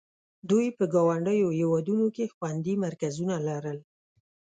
دوی په ګاونډیو هېوادونو کې خوندي مرکزونه لرل.